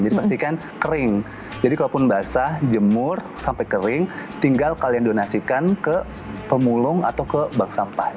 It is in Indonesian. jadi pastikan kering jadi kalau pun basah jemur sampai kering tinggal kalian donasikan ke pemulung atau ke bank sampah